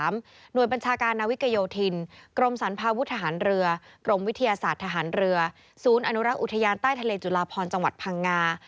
หน่วยบัญชาการนาวิกโยธินกรมสรรพาวุฒิทหารเรือกรมวิทยาศาสตร์ทหารเรือศูนย์อนุรักษ์อุทยานใต้ทะเลจุลาพรจังหวัดพังงา